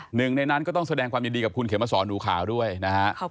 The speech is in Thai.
หนึ่งในนั้นก็ต้องแสดงความยินดีกับคุณเขมสอนหนูขาวด้วยนะฮะ